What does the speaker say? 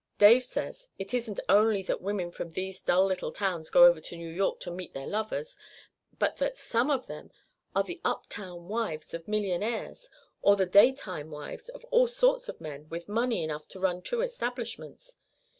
Dave says it isn't only that women from these dull little towns go over to New York to meet their lovers, but that some of them are the up town wives of millionaires, or the day time wives of all sorts of men with money enough to run two establishments.